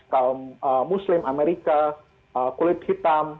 kaum muslim amerika kulit hitam